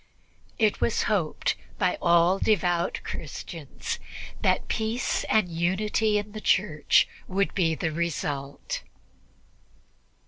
It was hoped by all devout Christians that peace and unity in the Church would be the result.